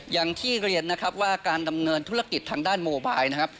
อย่างที่เรียนนะครับว่าการดำเนินธุรกิจทางด้านโมบายนะครับ